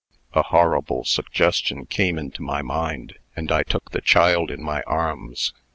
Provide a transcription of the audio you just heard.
A horrible suggestion came into my mind, and I took the child in my arms.